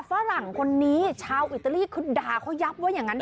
ฝรั่งคนนี้ชาวอิตาลีคือด่าเขายับว่าอย่างนั้น